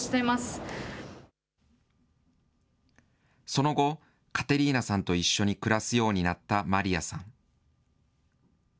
その後、カテリーナさんと一緒に暮らすようになったマリヤさん。